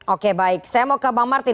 oke baik saya mau ke bang martin